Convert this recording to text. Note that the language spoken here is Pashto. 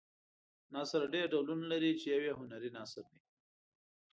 نثر ډېر ډولونه لري چې یو یې هنري نثر دی.